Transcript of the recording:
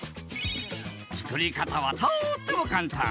作り方はとっても簡単。